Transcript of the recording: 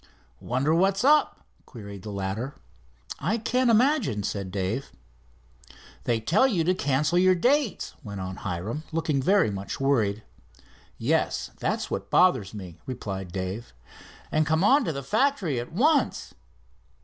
"Wonder what's up?" queried the latter. "I can't imagine," said Dave. "They tell you to cancel your dates," went on Hiram, looking very much worried. "Yes, that's what bothers me," replied Dave. "And to come on to the factory at once."